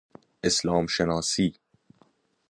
اسلام شناسی